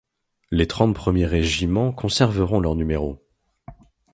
Les trente premiers régiments conserveront leurs numéros.